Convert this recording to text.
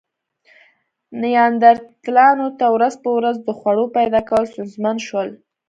نیاندرتالانو ته ورځ په ورځ د خوړو پیدا کول ستونزمن شول.